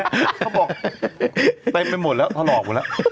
เขาบอกเต็มไปหมดแล้วถลอกหมดแล้ว